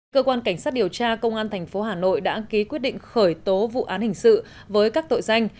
cơ quan cảnh sát điều tra công an tp hà nội đã ký quyết định khởi tố vụ án hình sự với các tội danh